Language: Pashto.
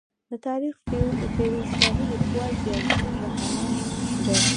د تاریخ فیروز شاهي لیکوال ضیا الدین برني دی.